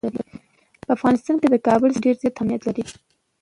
په افغانستان کې د کابل سیند ډېر زیات اهمیت لري.